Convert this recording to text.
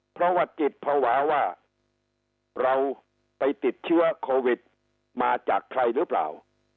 เพราะว่าจิตภาวะว่าเราไปติดเชื้อโควิดมาจากใครหรือเปล่า